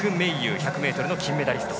１００ｍの金メダリスト。